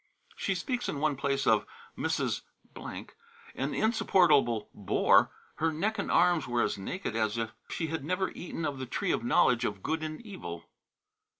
She speaks in one place of "Mrs. , an insupportable bore; her neck and arms were as naked as if she had never eaten of the tree of the knowledge of good and evil."